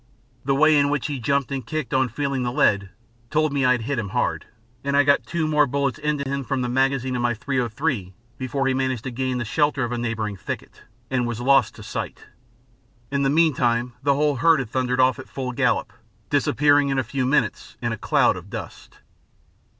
The way in which he jumped and kicked on feeling the lead told me I had hit him hard, and I got two more bullets into him from the magazine of my .303 before he managed to gain the shelter of a neighbouring thicket and was lost to sight. In the meantime the whole herd had thundered off at full gallop, disappearing in a few minutes in a cloud of dust.